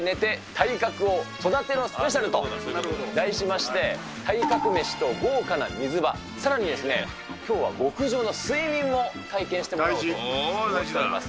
体格を育てるスペシャルと題しました、体格メシと豪華な水場、きょうは極上の睡眠も体験してもらおうと思います。